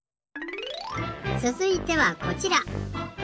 つづいてはこちら。